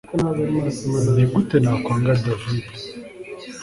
Nigute nakwanga David